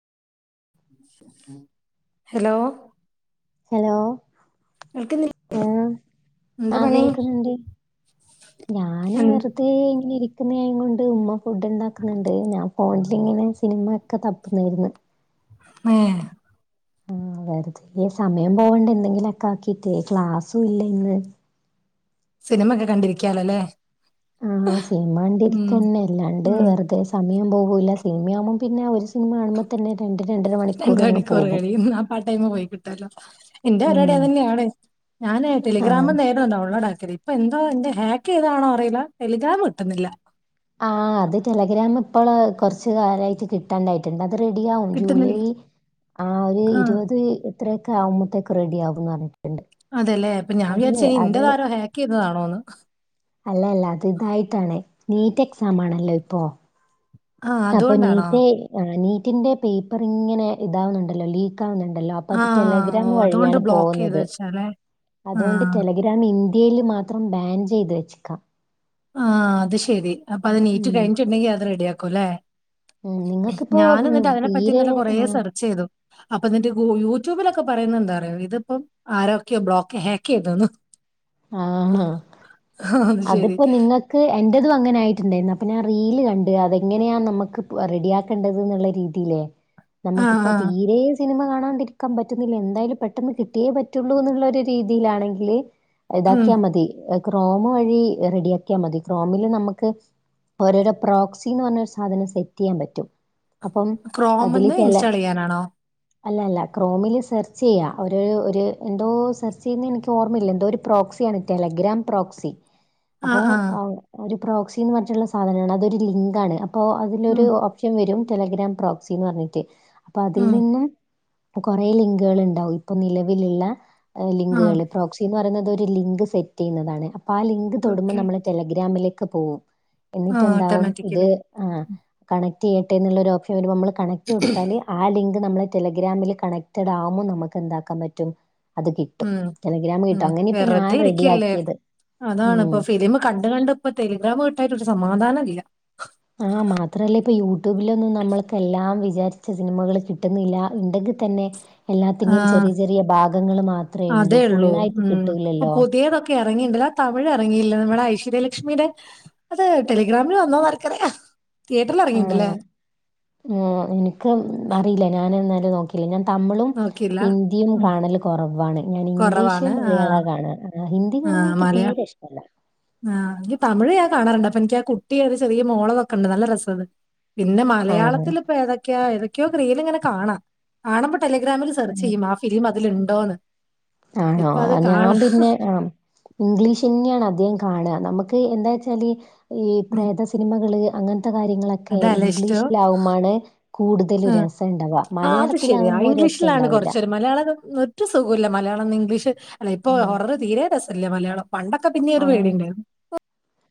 ഹേലോ hello കേൾക്കുന്നില്ല ഓ എന്താ ആ പണി കേൾക്ക്ന്ന്ണ്ട് ഞാന് എൻ- വെറുതെ ഇ ഇങ്ങനെ ഇരിക്കുന്നായ കൊണ്ട് ഉമ്മ ഫുഡ് ഉണ്ടാക്കുന്നുണ്ട് ഞാൻ ഫോണിലിങ്ങനെ സിനിമ ഒക്കെ തപ്പുന്നതായിരുന്നു ഏ ആ വെറുതെ ഇ സമയം പോകണ്ടെ എന്തെങ്കിലോക്കെ ആക്കിട്ട് ക്ലാസ്സും ഇല്ലന്ന് സിനിമക്കോ കണ്ടിരിക്കാലോ ല്ലേ ആഹ് സിനിമണ്ടിരിക്കന്നെ അല്ലാണ്ട് ഉം വെർതേ സമയം പോകൂല്ല സിനിമ ആകുമ്പോ പി ന്നെ ഒരു സിനിമ കാണുമ്പോതന്നെ തന്നെ രണ്ട് രണ്ടര മണി രണ്ട് മണിക്കൂറ് കഴിയും ന്നാപ്പോ ആ ടൈമ് പോയി കിട്ടോല്ലോ ഇന്റെ ഉം പരിപാടി അതന്നെണ് ഞാന് ആഹ് ടെലിഗ്രാമ്ന്ന് നേരാണ്ട് ഡൗൺലോഡ് ആക്കല് പ്പൊ എന്തോ ഇന്റെ ഹാക്ക് എയ്താണോ അറില്ല ടെലിഗ്രാം കിട്ടുന്നില്ല ആ അത് ടെലഗ്രാം ഇപ്പോള് കോറച്ച് കാലായിട്ട് കിട്ടു ട്ടാണ്ടായിട്ട്ണ്ട് അത് റെഡി ആവും ജൂലൈ കിട്ടുന്നില്ല ആ ഒരു ഇരുപത് ഇത്രക്കെ ആവുമ്പോത്തേക്കും റെഡിയാവും ന്ന് പറഞ്ഞിട്ടുണ്ട് അതെല്ലേ അപ്പൊ ഞാൻ അത് വിചാരിച്ച്ഇനി അത് ഇന്റെ താരം ഹാക്ക് ചെയതാണോന്ന് അല്ല അല്ല അത് ഇതായിട്ടാണ് നീറ്റ് എക്സാമാണല്ലോ ഇപ്പോ [inaudible] അപ്പൊ അതുകൊണ്ടാണോ നീറ്റ് നീറ്റിന്റെ പേപ്പറ് ഇങ്ങനെ ഇതാവുന്നുണ്ടല്ലോ ലീക്ക് ആവുന്നുണ്ടല്ലോ അപ്പൊ ആ അത് ടെലഗ്രാം ഓ അതുകൊണ്ട് വഴിയാണ് ബ്ലോക്ക് ചെയ്ത് പോകുന്നത് വെച്ചാലേ ആ അതോണ്ട് ഗ്രാം ഇന്ത്യയില് മാത്രം ബാൻ ചെയ്ത് വെച്ച്ക്ക ആ അത് ശരി അപ്പൊ അത് നീറ്റ് ഉം കഴിഞ്ഞിട്ടുണ്ടെങ്കി അത് റെഡിയാക്കും ല്ലെ ഉം നിങ്ങൾക്കിപ്പോ ഞാന് ഉം ന്നിട്ട് അത് നെ പറ്റി തീരെ ഇന്നലെ കൊറേ സെർച്ച്യ്തു അപ്പൊ എന്നിട്ട് യൂട്യൂബിലൊക്കെ പറയുന്നേ എന്താറിയോ ഇതിപ്പം ആരോക്കെ ബ്ലോക്ക് ഹാക്ക് യ്തന്നു ആണോ അത് ശരി അതിപ്പോ നിങ്ങക്ക് എൻ്റെതും അങ്ങനെയയിട്ടുണ്ടായിരുന്നു അപ്പ എന്റെതും അങ്ങനെ ആയിട്ട്ണ്ടായിന്ന് അപ്പോ ഞാൻ റീല് കണ്ട് അതെങ്ങനെയാണ് നമുക്ക് റെഡിയാക്കേണ്ടത് എന്നുള്ള രീതി. ഇല്ലേ ആ നമ്മക്കിപ്പോ ആ തീരെ സിനിമ കാണാണ്ടിരിക്കാൻ പറ്റുന്നില്ല എന്തായാലും പെട്ടെന്ന് കിട്ടിയേ പറ്റുള്ളൂ എന്നുള്ള ഒരു രീതിയിലാണെങ്കില്. ഉം ഇതാക്കിയാ മതി ക്രോമ് വഴി റെഡിയാക്കിയാ മതി ക്രോമില് നമക്ക്. ഒരോരോ പ്രോക്സി എന്ന് പറഞ്ഞ ഒരു സാധനം സെറ്റ്യ്യാൻ പറ്റും. അപ്പം അതില് ക്രോമിന്ന് ടെല ഇൻസ്റ്റാൾ ചെയ്യാനാണോ അല്ല അല്ല ക്രോമിൽ സെർച്ച് ചെയ്യാം ഒരു ഒരു എന്തോ സെർച്ച് ചെയ്യുന്ന എനിക്ക് ഓർമ്മയില്ല എന്തോ ഒരു പ്രോക്സിയാണ് ടെലഗ്രാം പ്രോക്സി ആ അപ്പൊ ആ ഒരു പ്രോക്സിന്ന് പറഞ്ഞിട്ടുള്ള ഒരു സാധനാണ് അതൊരു ലിങ്ക് ആണ് അപ്പോ അതിലൊരു ഉം വരും ടെലഗ്രാം പ്രോക്സിന്ന് പറഞ്ഞിട്ട് അപ്പൊ അതിൽ ഉം നിന്ന് കുറേ ലിങ്കുകൾ ഉണ്ടാവും ഇപ്പൊ നിലവിലുള്ള ആ ലിങ്കുകൾ പ്രോക്സിന്ന് പറയുന്നത് ഒരു ലിങ്ക് സെറ്റ് ചെയ്യുന്നതാണ് അപ്പൊ ആഹ് ലിങ്ക് തൊടുമ്പോ ഓക്കെ നമ്മള് ടെലഗ്രാമിലേക്ക് പോകും. ആ എന്നിട്ട് എന്താവും ഇത് ഓട്ടോമാറ്റിക്കലി ആഹ് കണക്ട് ചെയ്യട്ടെ എന്നുള്ളൊരു ഓപ്ഷൻ വരുമ്പോൾ നമ്മള് കണക്ട് കൊടുത്താല്. ആഹ് ലിങ്ക് നമ്മളെ ടെലഗ്രാമില് കണക്റ്റഡ് ആകുമ്പോൾ നമുക്ക് എന്താക്കാൻ പറ്റും. അത് കിട്ടും ഉം ടെലഗ്രാമ് ഉം കിട്ടും അങ്ങനെ ഇപ്പൊ ഞാൻ വെറുതെ ഇരിക്കല്ലേ റെഡിയാക്കിയത് ഉം അതാണപ്പോ ഫിലിം കണ്ട് കണ്ട് ഇപ്പോ ടെലഗ്രാമ് തട്ടിയിട്ട് ഒരു സമാധാനം ഇല്ല. ആഹ് മാത്രല്ല ഇപ്പൊ യൂട്യൂബിലൊന്നും നമ്മൾക്ക് എല്ലാം വിചാരിച്ച സിനിമകൾ കിട്ടുന്നില്ല എ തന്നെ ആ എല്ലാത്തിന്റെയും ചെറിയ ചെറിയ ഭാഗങ്ങൾ മാത്രേയുള്ളൂ. ഫുള്ളായിട്ട് കിട്ടൂലല്ലോ. ഇറങ്ങിണ്ടല്ലോ തമിഴ് ഇറങ്ങയല്ലൊ നമ്മുടെ ഐശ്വര്യലക്ഷ്മിയുടെ അത് ടെലഗ്രാമിൽ വന്നോ എന്ന് ആർക്ക് അറിയാം തിയേറ്ററിൽ ഇറങ്ങിണ്ടല്ലേ. ഉം എനിക്ക് അറിയില്ല ഞാന്‌ ഇന്നലെ നോക്കിയേ ഞാൻ തമിഴും നോക്കിയില്ല. ഹിന്ദിയും ഉം. കാണല് കുറവാണ് ഞാൻ കൊറവാണ്. ഇംഗ്ലീഷും ആഹ്. മലയാളവാ കാണാ ഹിന്ദി കാണുന്നത് ആഹ് എനിക്ക് മലയാ തീരെ ഇഷ്ട തന്നെ. ആഹ് തമിഴ് ഞാൻ കാണാറുണ്ട് അപ്പോ എനിക്ക് ആഹ് കുട്ടിയെ ഒരു ചെറിയ മോളതൊക്കെണ്ട് നല്ല രസാത്. പിന്നെ ആണോ? മലയാളത്തില് ഇപ്പോ ഏതൊക്കെയാ ഏതൊക്കെയോ റീല് ഇങ്ങനെ കാണാം കാണുമ്പോ ടെലഗ്രാമില് സെർച്ച് ഉം. ചെയ്യും ആഹ് ഫിലിം അതിലുണ്ടോന്ന്. ആണോ ഇപ്പൊ അത് ഞാൻ കാണാം. പിന്നെ ആഹ് ഇംഗ്ലീഷന്നെയാണ് അധികം കാണാ നമുക്ക് എന്താ വെച്ചാല് ഈ ഉം. പ്രേതം സിനിമകള് അങ്ങനത്തെ കാര്യങ്ങളൊ അതല്ലേ ഇഷ്ടം? ഇംഗ്ലീഷിലാകുമ്പോ ആണ് കൂടുതൽ ആഹ്. രസം ഇണ്ടാവ മലയാളത്തിലാകുമ്പോ രസ [unintelligible] കുറച്ച് ഒരു മലയാളം ഒരു സുഖോം ഇല്ല മലയാളം ഇംഗ്ലീഷ് അല്ല ഇപ്പൊ ആഹ്. വെറുതെ തീരെ രസവില്ല മലയാളം പണ്ടൊക്കെ പിന്നെയും ഒരു ആഹ് പേടിയുണ്ടായിരുന്നു.